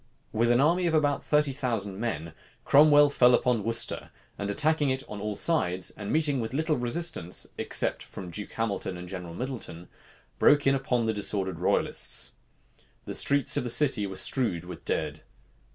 With an army of about thirty thousand men, Cromwell fell upon Worcester; and attacking it on all sides, and meeting with little resistance, except from Duke Hamilton and General Middleton, broke in upon the disordered royalists. The streets of the city were strowed with dead.